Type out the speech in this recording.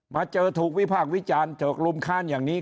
มาเจอถูกวิพากษ์วิจารณ์เถิกลุมค้านอย่างนี้